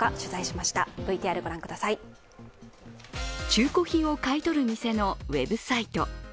中古品を買い取る店のウェブサイト。